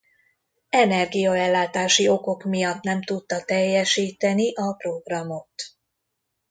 Energiaellátási okok miatt nem tudta teljesíteni a programot.